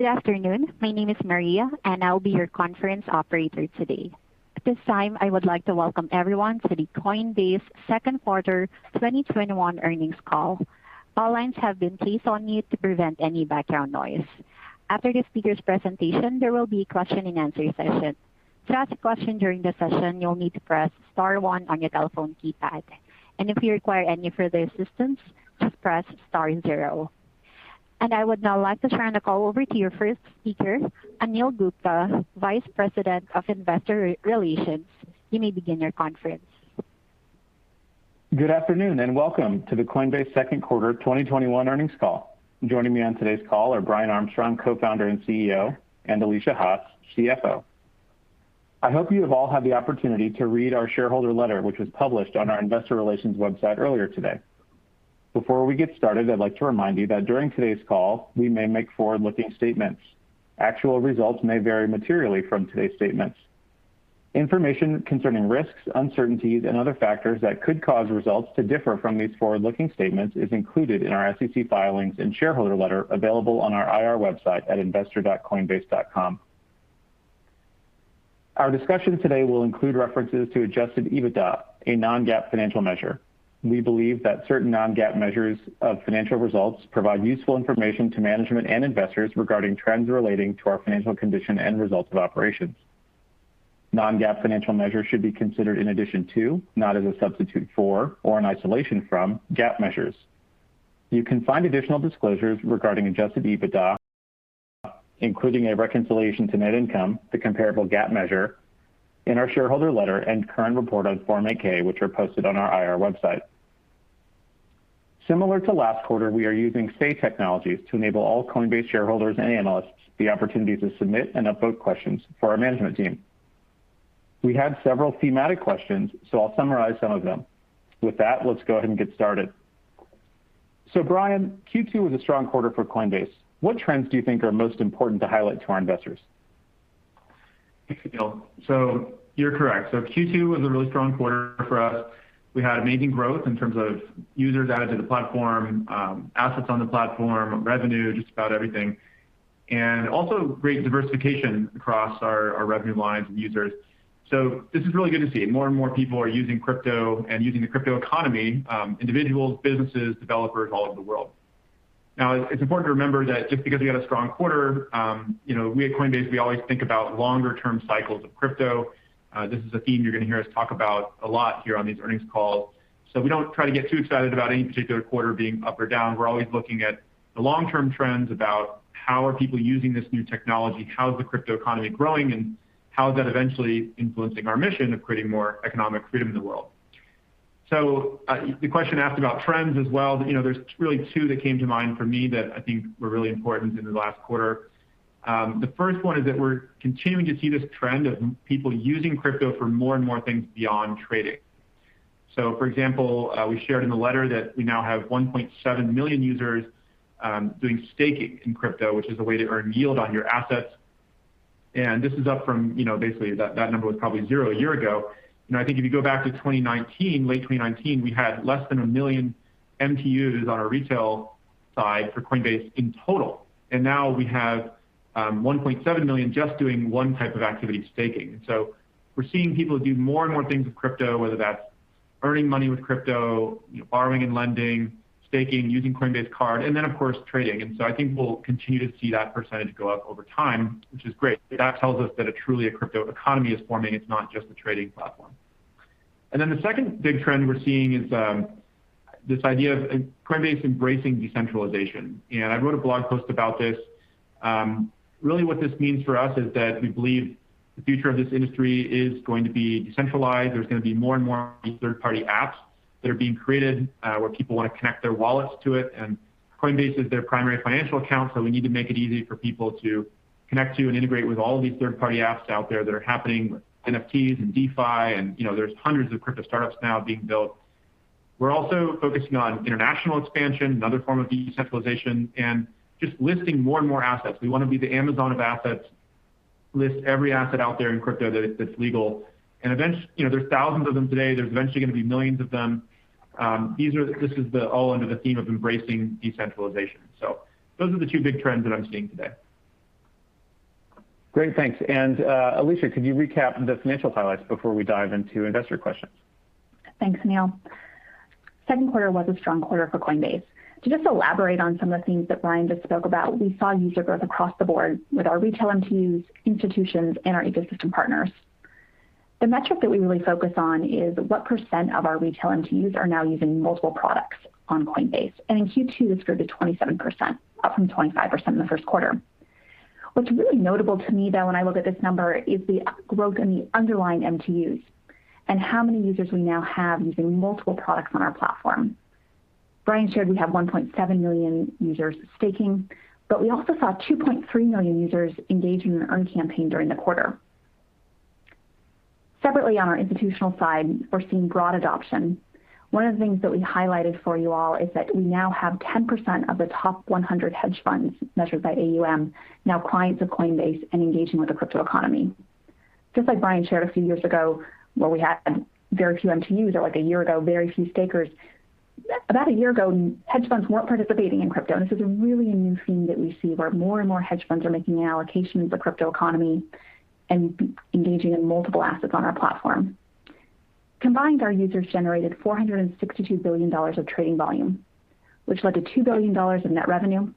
Good afternoon. My name is Maria, and I'll be your conference operator today. At this time, I would like to welcome everyone to the Coinbase Second Quarter 2021 Earnings Call. All lines have been placed on mute to prevent any background noise. After the speakers' presentation, there will be a question-and-answer session. To ask a question during the session, you'll need to press star one on your telephone keypad. If you require any further assistance, just press star zero. I would now like to turn the call over to your first speaker, Anil Gupta, Vice President of Investor Relations. You may begin your conference. Good afternoon, and welcome to the Coinbase second quarter 2021 earnings call. Joining me on today's call are Brian Armstrong, Co-Founder and CEO, and Alesia Haas, CFO. I hope you have all had the opportunity to read our shareholder letter, which was published on our investor relations website earlier today. Before we get started, I'd like to remind you that during today's call, we may make forward-looking statements. Actual results may vary materially from today's statements. Information concerning risks, uncertainties, and other factors that could cause results to differ from these forward-looking statements is included in our SEC filings and shareholder letter available on our IR website at investor.coinbase.com. Our discussion today will include references to adjusted EBITDA, a non-GAAP financial measure. We believe that certain non-GAAP measures of financial results provide useful information to management and investors regarding trends relating to our financial condition and results of operations. Non-GAAP financial measures should be considered in addition to, not as a substitute for, or in isolation from, GAAP measures. You can find additional disclosures regarding adjusted EBITDA, including a reconciliation to net income, the comparable GAAP measure, in our shareholder letter and current report on Form 8-K, which are posted on our IR website. Similar to last quarter, we are using Say Technologies to enable all Coinbase shareholders and analysts the opportunity to submit and upvote questions for our management team. We had several thematic questions, so I'll summarize some of them. With that, let's go ahead and get started. Brian, Q2 was a strong quarter for Coinbase. What trends do you think are most important to highlight to our investors? Thank you, Anil. You're correct. Q2 was a really strong quarter for us. We had amazing growth in terms of users added to the platform, assets on the platform, revenue, just about everything, and also great diversification across our revenue lines and users. This is really good to see. More and more people are using crypto and using the crypto economy, individuals, businesses, developers all over the world. Now, it's important to remember that just because we had a strong quarter, you know, we at Coinbase, we always think about longer-term cycles of crypto. This is a theme you're going to hear us talk about a lot here on these earnings calls. We don't try to get too excited about any particular quarter being up or down. We're always looking at the long-term trends about how are people using this new technology, how is the crypto economy growing, and how is that eventually influencing our mission of creating more economic freedom in the world. The question asked about trends as well. You know, there's really two that came to mind for me that I think were really important in the last quarter. The first one is that we're continuing to see this trend of people using crypto for more and more things beyond trading. For example, we shared in the letter that we now have 1.7 million users doing staking in crypto, which is a way to earn yield on your assets. This is up from, you know, basically that number was probably zero a year ago. You know, I think if you go back to 2019, late 2019, we had less than 1 million MTUs on our retail side for Coinbase in total, and now we have 1.7 million just doing one type of activity, staking. We're seeing people do more and more things with crypto, whether that's earning money with crypto, borrowing and lending, staking, using Coinbase Card, and then of course, trading. I think we'll continue to see that percentage go up over time, which is great. That tells us that truly a crypto economy is forming. It's not just a trading platform. The second big trend we're seeing is this idea of Coinbase embracing decentralization. I wrote a blog post about this. Really what this means for us is that we believe the future of this industry is going to be decentralized. There's going to be more and more third-party apps that are being created, where people want to connect their wallets to it. Coinbase is their primary financial account, so we need to make it easy for people to connect to and integrate with all of these third-party apps out there that are happening with NFTs and DeFi, and, you know, there's hundreds of crypto startups now being built. We're also focusing on international expansion, another form of decentralization, and just listing more and more assets. We want to be the Amazon of assets, list every asset out there in crypto that's legal. You know, there's thousands of them today. There's eventually going to be millions of them. This is the all under the theme of embracing decentralization. Those are the two big trends that I'm seeing today. Great. Thanks. Alesia, could you recap the financial highlights before we dive into investor questions? Thanks, Anil. Second quarter was a strong quarter for Coinbase. To just elaborate on some of the themes that Brian just spoke about, we saw user growth across the board with our retail MTUs, institutions, and our ecosystem partners. The metric that we really focus on is what percent of our retail MTUs are now using multiple products on Coinbase. In Q2, this grew to 27%, up from 25% in the first quarter. What's really notable to me, though, when I look at this number, is the growth in the underlying MTUs and how many users we now have using multiple products on our platform. Brian shared we have 1.7 million users staking, but we also saw 2.3 million users engage in an earn campaign during the quarter. Separately, on our institutional side, we're seeing broad adoption. One of the things that we highlighted for you all is that we now have 10% of the top 100 hedge funds measured by AUM now clients of Coinbase and engaging with the crypto economy. Just like Brian shared a few years ago where we had very few MTUs, or like a year ago, very few stakers. About a year ago, hedge funds weren't participating in crypto. This is really a new theme that we see where more and more hedge funds are making allocations of crypto economy and engaging in multiple assets on our platform. Combined, our users generated $462 billion of trading volume, which led to $2 billion in net revenue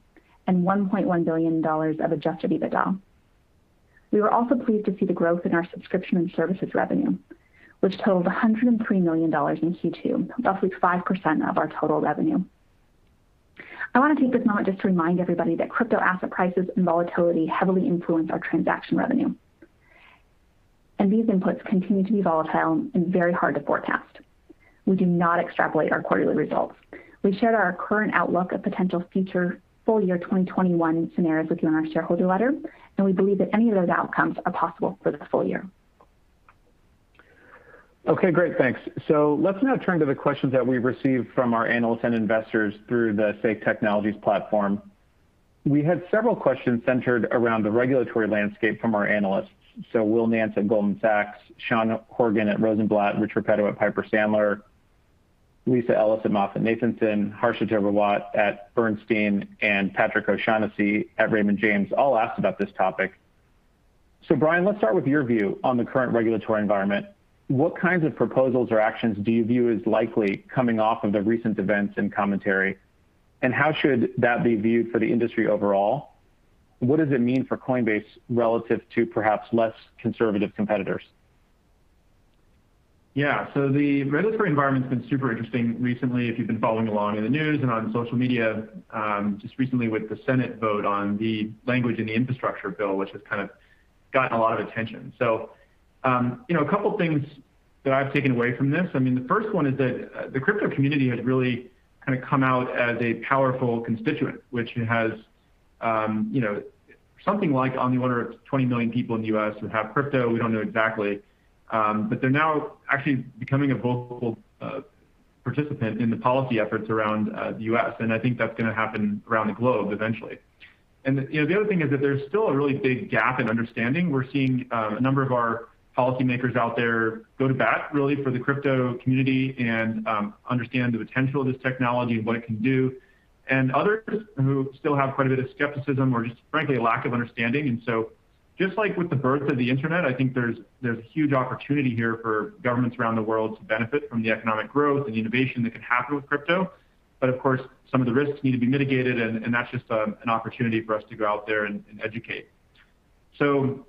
and $1.1 billion of adjusted EBITDA. We were also pleased to see the growth in our subscription and services revenue, which totaled $103 million in Q2, roughly 5% of our total revenue. I want to take this moment just to remind everybody that crypto asset prices and volatility heavily influence our transaction revenue. These inputs continue to be volatile and very hard to forecast. We do not extrapolate our quarterly results. We've shared our current outlook of potential future full-year 2021 scenarios with you in our shareholder letter, and we believe that any of those outcomes are possible for the full year. Okay, great. Thanks. Let's now turn to the questions that we've received from our analysts and investors through the Say Technologies platform. We had several questions centered around the regulatory landscape from our analysts. Will Nance at Goldman Sachs, Sean Horgan at Rosenblatt, Rich Repetto at Piper Sandler, Lisa Ellis at MoffettNathanson, Harshita Rawat at Bernstein, and Patrick O'Shaughnessy at Raymond James all asked about this topic. Brian, let's start with your view on the current regulatory environment. What kinds of proposals or actions do you view as likely coming off of the recent events and commentary? How should that be viewed for the industry overall? What does it mean for Coinbase relative to perhaps less conservative competitors? The regulatory environment's been super interesting recently, if you've been following along in the news and on social media, just recently with the Senate vote on the language in the infrastructure bill, which has kind of gotten a lot of attention. You know, a couple things that I've taken away from this. I mean, the first one is that the crypto community has really kind of come out as a powerful constituent, which has, you know, something like on the order of 20 million people in the U.S. who have crypto. We don't know exactly. They're now actually becoming a vocal participant in the policy efforts around the U.S., and I think that's going to happen around the globe eventually. You know, the other thing is that there's still a really big gap in understanding. We're seeing a number of our policymakers out there go to bat really for the crypto community and understand the potential of this technology and what it can do, and others who still have quite a bit of skepticism or just frankly, lack of understanding. Just like with the birth of the internet, I think there's huge opportunity here for governments around the world to benefit from the economic growth and innovation that can happen with crypto. Some of the risks need to be mitigated and that's just an opportunity for us to go out there and educate. You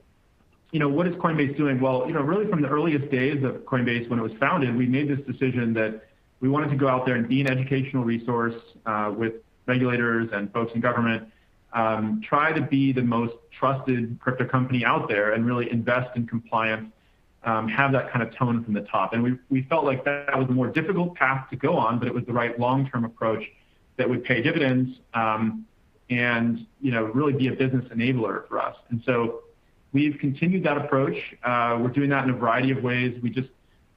know, what is Coinbase doing? You know, really from the earliest days of Coinbase when it was founded, we made this decision that we wanted to go out there and be an educational resource with regulators and folks in government, try to be the most trusted crypto company out there and really invest in compliance, have that kind of tone from the top. We felt like that was a more difficult path to go on, but it was the right long-term approach that would pay dividends, you know, really be a business enabler for us. We've continued that approach. We're doing that in a variety of ways. We just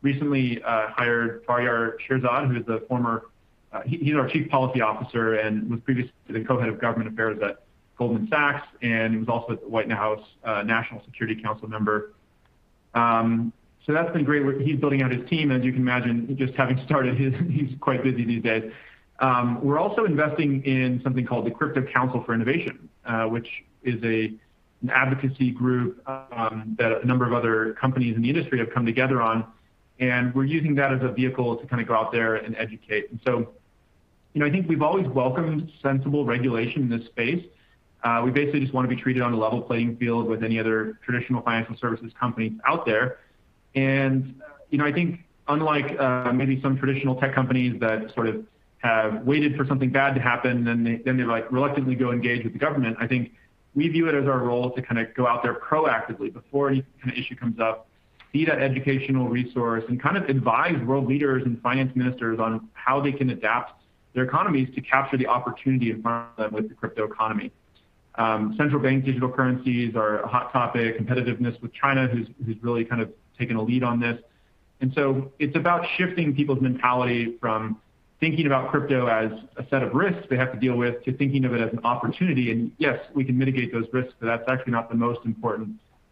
recently hired Faryar Shirzad, who is our Chief Policy Officer and was previously the co-head of government affairs at Goldman Sachs, and he was also at the White House National Security Council member. That's been great. He's building out his team. As you can imagine, just having started, he's quite busy these days. We're also investing in something called the Crypto Council for Innovation, which is an advocacy group that a number of other companies in the industry have come together on, and we're using that as a vehicle to kind of go out there and educate. You know, I think we've always welcomed sensible regulation in this space. We basically just want to be treated on a level playing field with any other traditional financial services companies out there. You know, I think unlike maybe some traditional tech companies that sort of have waited for something bad to happen, then they like reluctantly go engage with the government, I think we view it as our role to kind of go out there proactively before any kind of issue comes up, be that educational resource, and kind of advise world leaders and finance ministers on how they can adapt their economies to capture the opportunity in front of them with the crypto economy. Central bank digital currencies are a hot topic, competitiveness with China, who's really kind of taken a lead on this. It's about shifting people's mentality from thinking about crypto as a set of risks they have to deal with to thinking of it as an opportunity, and yes, we can mitigate those risks, but that's actually not the most important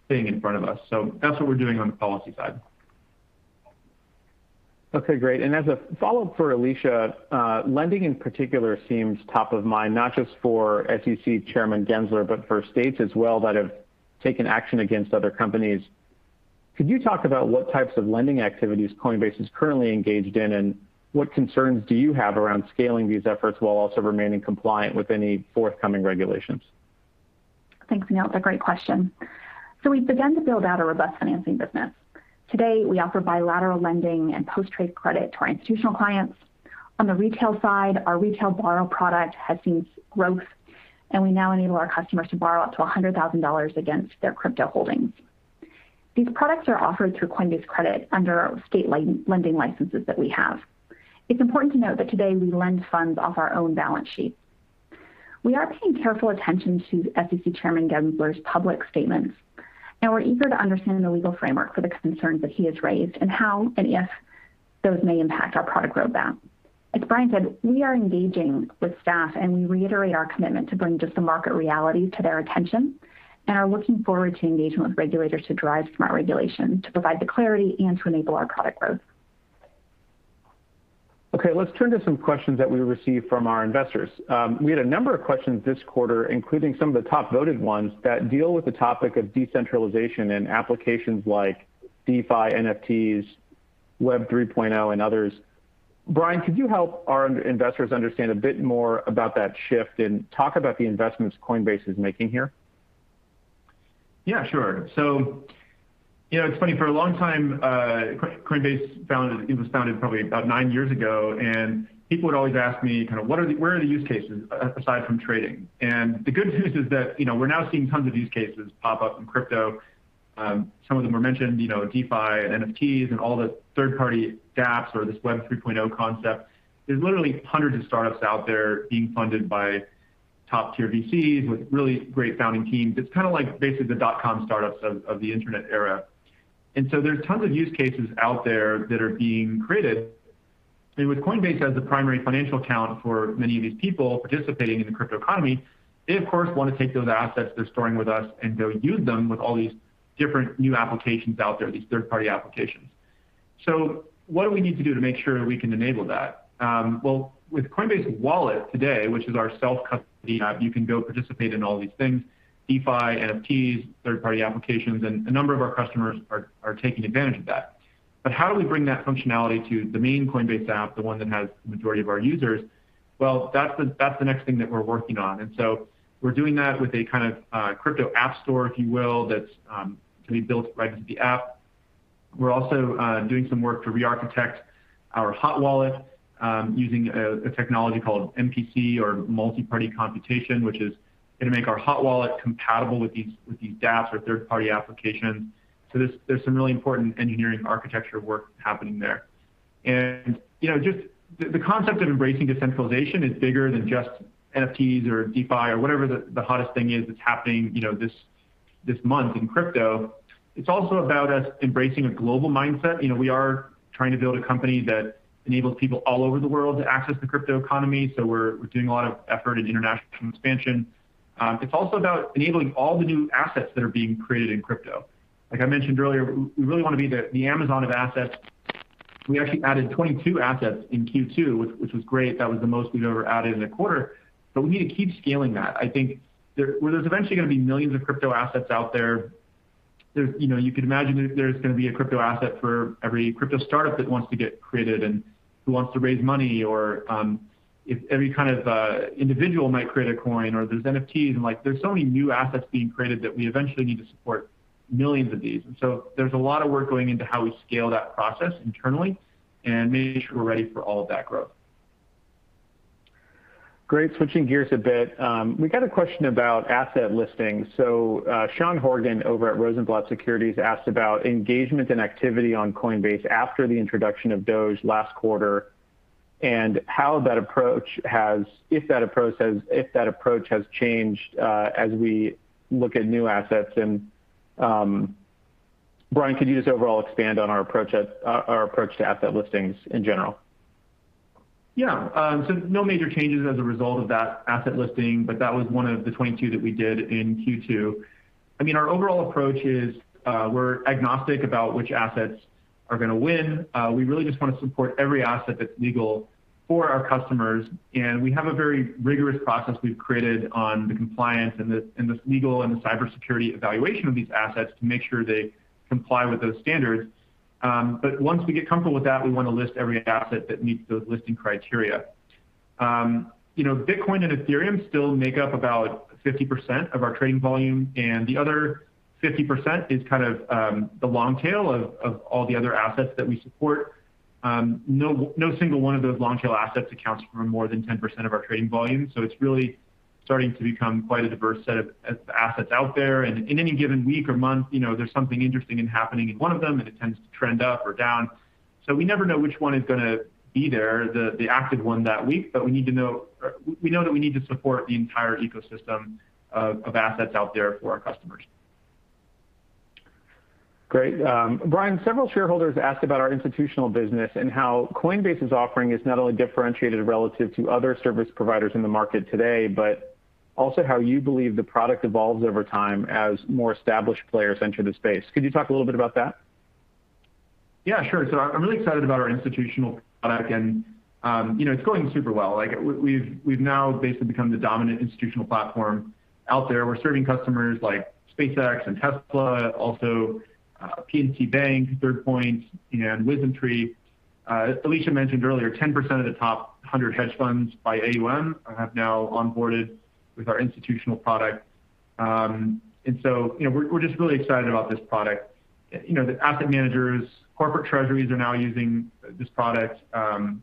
thing in front of us. That's what we're doing on the policy side. Okay, great. As a follow-up for Alesia, lending in particular seems top of mind, not just for SEC Chairman Gensler, but for states as well that have taken action against other companies. Could you talk about what types of lending activities Coinbase is currently engaged in, and what concerns do you have around scaling these efforts while also remaining compliant with any forthcoming regulations? Thanks, Anil. It's a great question. We've begun to build out a robust financing business. Today, we offer bilateral lending and post-trade credit to our institutional clients. On the retail side, our retail borrow product has seen growth, and we now enable our customers to borrow up to $100,000 against their crypto holdings. These products are offered through Coinbase Credit under state lending licenses that we have. It's important to note that today we lend funds off our own balance sheet. We are paying careful attention to SEC Chairman Gensler's public statements, and we're eager to understand the legal framework for the concerns that he has raised and how, and if those may impact our product roadmap. As Brian said, we are engaging with staff, and we reiterate our commitment to bring just the market reality to their attention, and are looking forward to engagement with regulators to drive smart regulation, to provide the clarity, and to enable our product growth. Okay, let's turn to some questions that we received from our investors. We had a number of questions this quarter, including some of the top voted ones that deal with the topic of decentralization and applications like DeFi, NFTs, Web 3.0, and others. Brian, could you help our investors understand a bit more about that shift, and talk about the investments Coinbase is making here? Yeah, sure. You know, it's funny, for a long time, Coinbase was founded probably about nine years ago, and people would always ask me kind of, "What are the use cases aside from trading?" The good news is that, you know, we're now seeing tons of use cases pop up in crypto. Some of them were mentioned, you know, DeFi, and NFTs, and all the third-party DApps or this Web 3.0 concept. There's literally hundreds of startups out there being funded by top tier VCs with really great founding teams. It's kind of like basically the dotcom startups of the internet era. There's tons of use cases out there that are being created. With Coinbase as the primary financial account for many of these people participating in the crypto economy, they of course, want to take those assets they're storing with us and go use them with all these different new applications out there, these third-party applications. What do we need to do to make sure we can enable that? Well, with Coinbase Wallet today, which is our self-custody app, you can go participate in all these things, DeFi, NFTs, third-party applications, and a number of our customers are taking advantage of that. How do we bring that functionality to the main Coinbase app, the one that has the majority of our users? Well, that's the next thing that we're working on. So we're doing that with a kind of crypto app store, if you will, that's can be built right into the app. We're also doing some work to re-architect our hot wallet, using a technology called MPC or multi-party computation, which is going to make our hot wallet compatible with these DApps or third-party applications. There's some really important engineering architecture work happening there. You know, just the concept of embracing decentralization is bigger than just NFTs or DeFi or whatever the hottest thing is that's happening, you know, this month in crypto. It's also about us embracing a global mindset. You know, we are trying to build a company that enables people all over the world to access the crypto economy, so we're doing a lot of effort in international expansion. It's also about enabling all the new assets that are being created in crypto. Like I mentioned earlier, we really want to be the Amazon of assets. We actually added 22 assets in Q2, which was great. That was the most we've ever added in a quarter. We need to keep scaling that. Well, there's eventually going to be millions of crypto assets out there. There's, you know, you could imagine if there's going to be a crypto asset for every crypto startup that wants to get created and who wants to raise money or, if every kind of individual might create a coin or there's NFTs and, like, there's so many new assets being created that we eventually need to support millions of these. There's a lot of work going into how we scale that process internally and making sure we're ready for all of that growth. Great. Switching gears a bit, we got a question about asset listings. Sean Horgan over at Rosenblatt Securities asked about engagement and activity on Coinbase after the introduction of Dogecoin last quarter, and how that approach has changed as we look at new assets. Brian, could you just overall expand on our approach to asset listings in general? Yeah. No major changes as a result of that asset listing, but that was one of the 22 that we did in Q2. I mean, our overall approach is, we're agnostic about which assets are going to win. We really just want to support every asset that's legal for our customers, we have a very rigorous process we've created on the compliance and the legal and the cybersecurity evaluation of these assets to make sure they comply with those standards. Once we get comfortable with that, we want to list every asset that meets those listing criteria. You know, Bitcoin and Ethereum still make up about 50% of our trading volume, the other 50% is kind of the long tail of all the other assets that we support. No single one of those long tail assets accounts for more than 10% of our trading volume, so it's really starting to become quite a diverse set of assets out there. In any given week or month, you know, there's something interesting and happening in one of them, and it tends to trend up or down. We never know which one is going to be there, the active one that week. We need to know, we know that we need to support the entire ecosystem of assets out there for our customers. Great. Brian, several shareholders asked about our institutional business and how Coinbase's offering is not only differentiated relative to other service providers in the market today, but also how you believe the product evolves over time as more established players enter the space. Could you talk a little bit about that? Yeah, sure. I'm really excited about our institutional product, and you know, it's going super well. Like, we've now basically become the dominant institutional platform out there. We're serving customers like SpaceX and Tesla, also, PNC Bank, Third Point, and WisdomTree. Alesia mentioned earlier 10% of the top 100 hedge funds by AUM are have now onboarded with our institutional product. You know, we're just really excited about this product. You know, the asset managers, corporate treasuries are now using this product,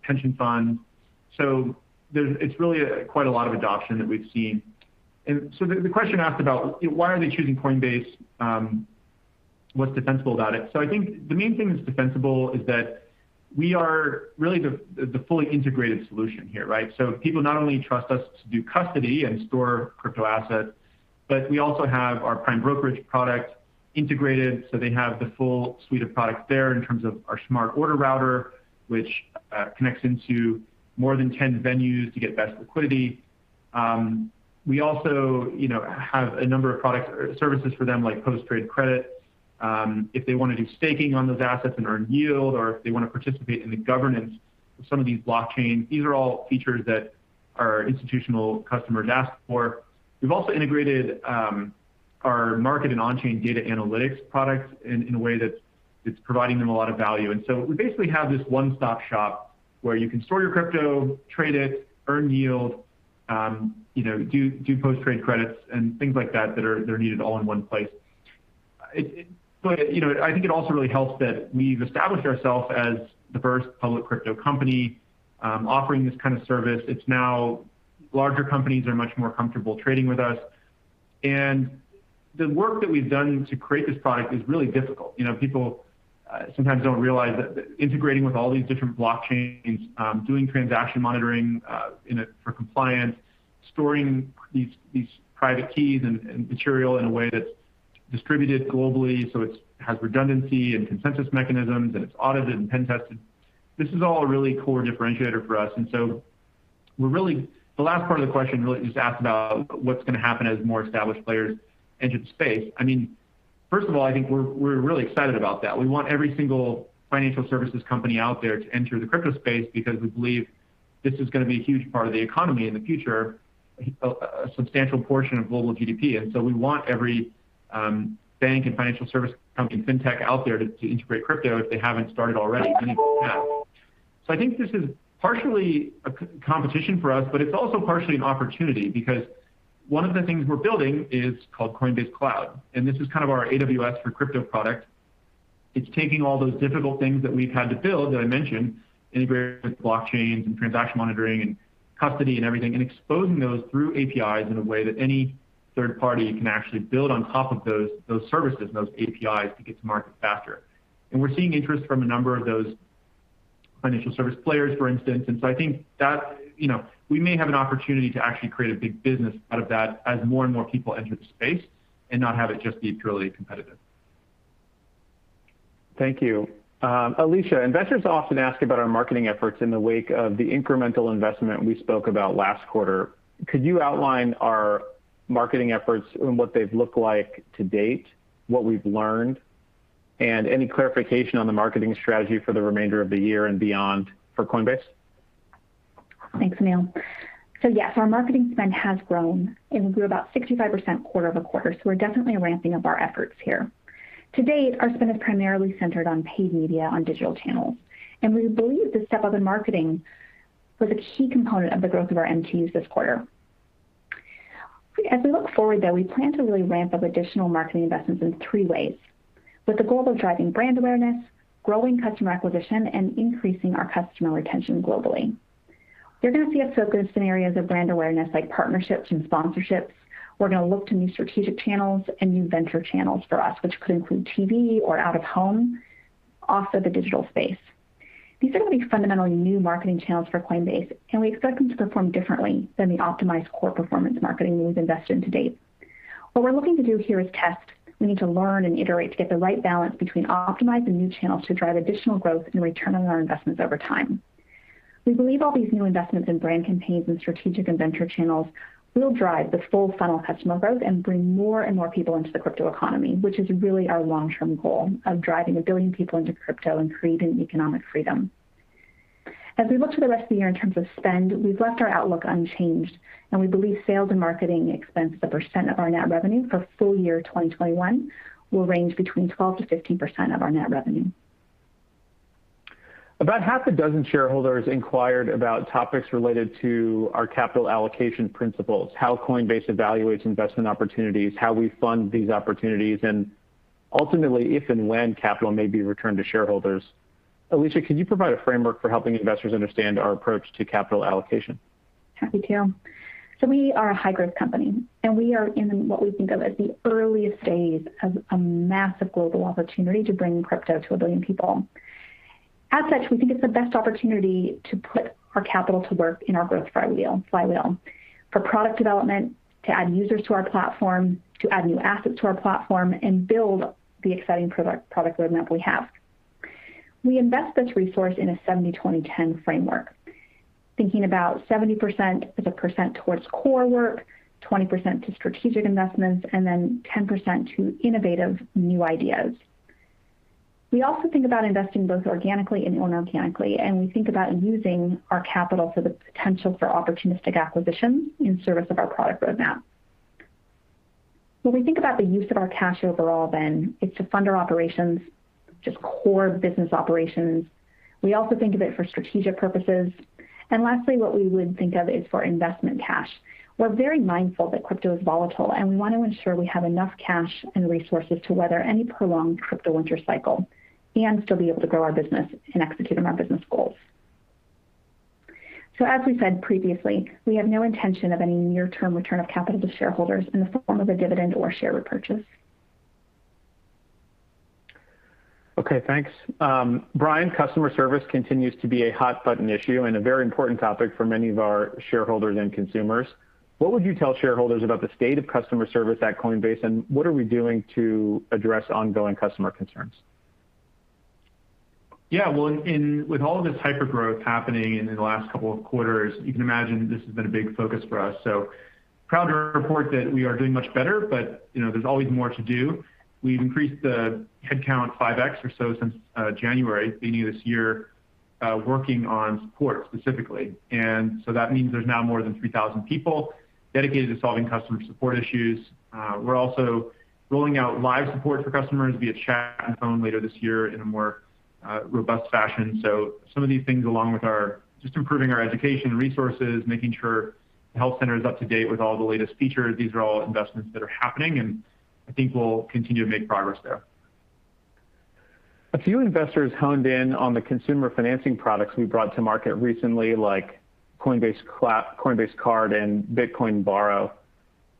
pension funds. There's, it's really quite a lot of adoption that we've seen. The question asked about why are they choosing Coinbase? What's defensible about it? I think the main thing that's defensible is that we are really the fully integrated solution here, right? People not only trust us to do custody and store crypto assets, but we also have our prime brokerage product-Integrated, so they have the full suite of products there in terms of our smart order router, which connects into more than 10 venues to get best liquidity. We also, you know, have a number of products or services for them like post-trade credit. If they want to do staking on those assets and earn yield, or if they want to participate in the governance of some of these blockchains, these are all features that our institutional customers ask for. We've also integrated our market and on-chain data analytics products in a way that it's providing them a lot of value. We basically have this one-stop shop where you can store your crypto, trade it, earn yield, you know, do post-trade credits and things like that, they're needed all in one place. You know, I think it also really helps that we've established ourself as the first public crypto company, offering this kind of service. It's now larger companies are much more comfortable trading with us. The work that we've done to create this product is really difficult. You know, people sometimes don't realize that integrating with all these different blockchains, doing transaction monitoring for compliance, storing private keys and material in a way that's distributed globally so it has redundancy and consensus mechanisms, and it's audited and pen tested, this is all a really core differentiator for us. The last part of the question really just asked about what is going to happen as more established players enter the space. First of all, I think we are really excited about that. We want every single financial services company out there to enter the crypto space because we believe this is going to be a huge part of the economy in the future, a substantial portion of global GDP. We want every bank and financial service company, fintech out there to integrate crypto if they have not started already, many of them have. I think this is partially a competition for us, but it is also partially an opportunity because one of the things we are building is called Coinbase Cloud, and this is kind of our AWS for crypto product. It's taking all those difficult things that we've had to build that I mentioned, integrating with blockchains and transaction monitoring and custody and everything, and exposing those through APIs in a way that any third party can actually build on top of those services and those APIs to get to market faster. We're seeing interest from a number of those financial service players, for instance. I think that, you know, we may have an opportunity to actually create a big business out of that as more and more people enter the space and not have it just be purely competitive. Thank you. Alesia, investors often ask about our marketing efforts in the wake of the incremental investment we spoke about last quarter. Could you outline our marketing efforts and what they've looked like to date, what we've learned, and any clarification on the marketing strategy for the remainder of the year and beyond for Coinbase? Thanks, Anil. Yes, our marketing spend has grown. It grew about 65% quarter-over-quarter, so we're definitely ramping up our efforts here. To date, our spend is primarily centered on paid media on digital channels, and we believe the step-up in marketing was a key component of the growth of our MTUs this quarter. As we look forward, though, we plan to really ramp up additional marketing investments in three ways, with the goal of driving brand awareness, growing customer acquisition, and increasing our customer retention globally. You're going to see us focus in areas of brand awareness, like partnerships and sponsorships. We're going to look to new strategic channels and new venture channels for us, which could include TV or out of home, also the digital space. These are going to be fundamentally new marketing channels for Coinbase, and we expect them to perform differently than the optimized core performance marketing we've invested in to date. What we're looking to do here is test. We need to learn and iterate to get the right balance between optimized and new channels to drive additional growth and return on our investments over time. We believe all these new investments in brand campaigns and strategic and venture channels will drive the full funnel customer growth and bring more and more people into the crypto economy, which is really our long-term goal of driving 1 billion people into crypto and creating economic freedom. As we look to the rest of the year in terms of spend, we've left our outlook unchanged, and we believe sales and marketing expense as a percent of our net revenue for Full Year 2021 will range between 12%-15% of our net revenue. About half a dozen shareholders inquired about topics related to our capital allocation principles. How Coinbase evaluates investment opportunities? How we fund these opportunities? And ultimately, if and when capital may be returned to shareholders? Alesia, could you provide a framework for helping investors understand our approach to capital allocation? Happy to. We are a high-growth company, and we are in what we think of as the earliest days of a massive global opportunity to bring crypto to 1 billion people. As such, we think it's the best opportunity to put our capital to work in our growth flywheel for product development, to add users to our platform, to add new assets to our platform, and build the exciting product roadmap we have. We invest this resource in a 70/20/10 framework. Thinking about 70% as a percent towards core work, 20% to strategic investments, then 10% to innovative new ideas. We also think about investing both organically and inorganically, we think about using our capital for the potential for opportunistic acquisitions in service of our product roadmap. When we think about the use of our cash overall then, it's to fund our operations, just core business operations. We also think of it for strategic purposes. Lastly, what we would think of is for investment cash. We're very mindful that crypto is volatile, and we want to ensure we have enough cash and resources to weather any prolonged crypto winter cycle and still be able to grow our business and execute on our business goals. As we said previously, we have no intention of any near-term return of capital to shareholders in the form of a dividend or share repurchase. Okay, thanks. Brian, customer service continues to be a hot button issue and a very important topic for many of our shareholders and consumers. What would you tell shareholders about the state of customer service at Coinbase, and what are we doing to address ongoing customer concerns? Well, with all of this hyper-growth happening in the last couple of quarters, you can imagine this has been a big focus for us. Proud to report that we are doing much better, but, you know, there's always more to do. We've increased the head count 5x or so since January, beginning of this year, working on support specifically. That means there's now more than 3,000 people dedicated to solving customer support issues. We're also rolling out live support for customers via chat and phone later this year in a more robust fashion. Some of these things along with our just improving our education resources, making sure the health center is up to date with all the latest features, these are all investments that are happening, and I think we'll continue to make progress there. A few investors honed in on the consumer financing products we brought to market recently, like Coinbase Card and Bitcoin Borrow.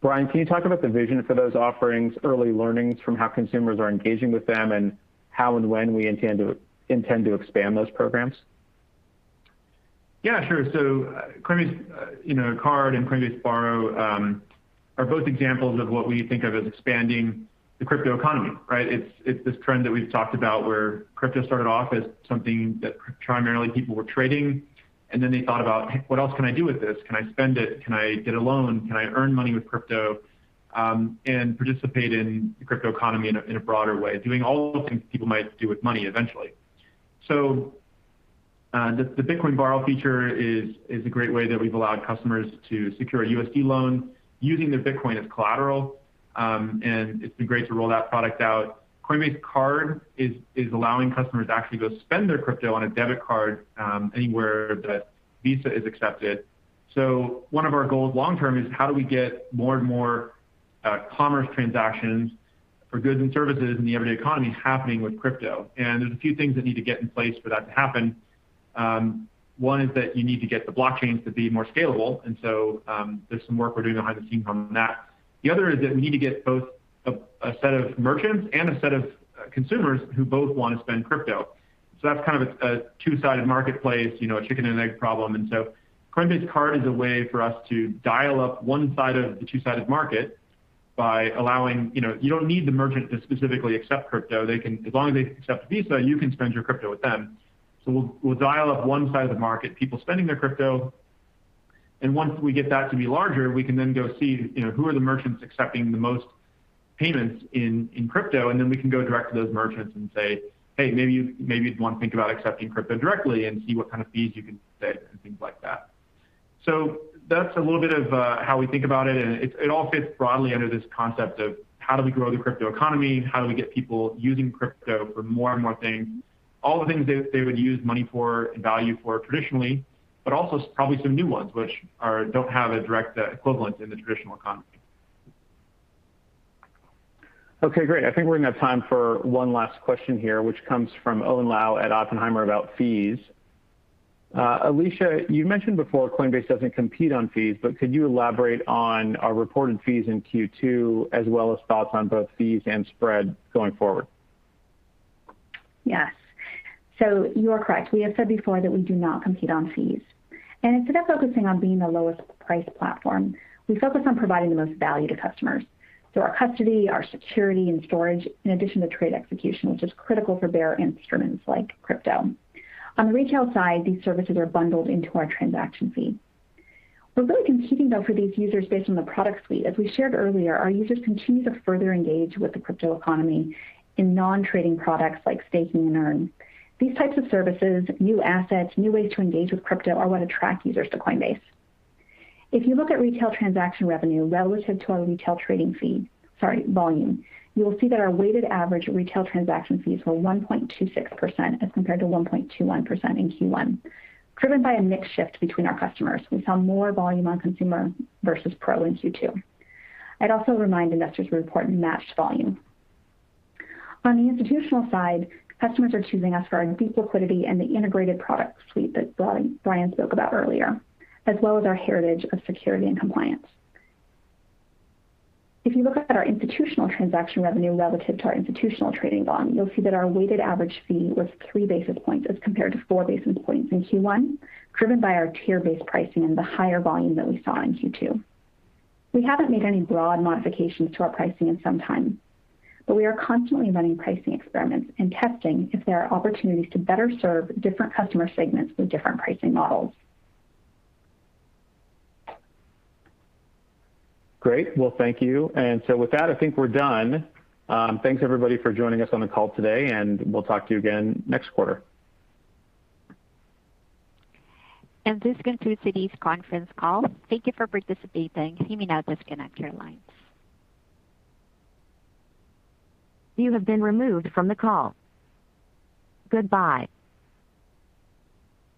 Brian, can you talk about the vision for those offerings, early learnings from how consumers are engaging with them, and how and when we intend to expand those programs? Yeah, sure. Coinbase, you know, Card and Credit Borrow are both examples of what we think of as expanding the crypto economy, right? It's this trend that we've talked about where crypto started off as something that primarily people were trading and then they thought about, "What else can I do with this? Can I spend it? Can I get a loan? Can I earn money with crypto and participate in the crypto economy in a broader way?" Doing all the things people might do with money eventually. The Bitcoin Borrow feature is a great way that we've allowed customers to secure a USD loan using their Bitcoin as collateral and it's been great to roll that product out. Credit Card is allowing customers to actually go spend their crypto on a debit card anywhere that Visa is accepted. One of our goals long-term is how do we get more and more commerce transactions for goods and services in the everyday economy happening with crypto? There's a few things that need to get in place for that to happen. One is that you need to get the blockchains to be more scalable, there's some work we're doing behind the scenes on that. The other is that we need to get both a set of merchants and a set of consumers who both want to spend crypto. That's kind of a two-sided marketplace, you know, a chicken and an egg problem. Coinbase Card is a way for us to dial up one side of the two-sided market by allowing You know, you don't need the merchant to specifically accept crypto. As long as they accept Visa, you can spend your crypto with them. We'll dial up one side of the market, people spending their crypto, and once we get that to be larger, we can then go see, you know, who are the merchants accepting the most payments in crypto, then we can go direct to those merchants and say, "Hey, maybe you'd want to think about accepting crypto directly and see what kind of fees you can set," and things like that. That's a little bit of how we think about it, and it all fits broadly under this concept of how do we grow the crypto economy? How do we get people using crypto for more and more things? All the things they would use money for and value for traditionally, but also probably some new ones which don't have a direct equivalent in the traditional economy. Okay, great. I think we're going to have time for one last question here, which comes from Owen Lau at Oppenheimer about fees. Alesia, you mentioned before Coinbase doesn't compete on fees, could you elaborate on our reported fees in Q2, as well as thoughts on both fees and spread going forward? Yes. You are correct. We have said before that we do not compete on fees. Instead of focusing on being the lowest priced platform, we focus on providing the most value to customers. Our custody, our security, and storage, in addition to trade execution, which is critical for bearer instruments like crypto. On the retail side, these services are bundled into our transaction fee. We're really competing, though, for these users based on the product suite. As we shared earlier, our users continue to further engage with the crypto economy in non-trading products like staking and Earn. These types of services, new assets, new ways to engage with crypto are what attract users to Coinbase. If you look at retail transaction revenue relative to our retail trading fee, sorry, volume, you will see that our weighted average retail transaction fees were 1.26% as compared to 1.21% in Q1, driven by a mix shift between our customers. We saw more volume on consumer versus Pro in Q2. I'd also remind investors we report matched volume. On the institutional side, customers are choosing us for our in-depth liquidity and the integrated product suite that Brian spoke about earlier, as well as our heritage of security and compliance. If you look at our institutional transaction revenue relative to our institutional trading volume, you'll see that our weighted average fee was 3 basis points as compared to 4 basis points in Q1, driven by our tier-based pricing and the higher volume that we saw in Q2. We haven't made any broad modifications to our pricing in some time, but we are constantly running pricing experiments and testing if there are opportunities to better serve different customer segments with different pricing models. Great. Well, thank you. With that, I think we're done. Thanks everybody for joining us on the call today, and we'll talk to you again next quarter. This concludes today's conference call. Thank you for participating. You may now disconnect your lines.